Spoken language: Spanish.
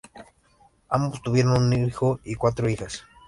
Ambos tuvieron un hijo y cuatro hijas.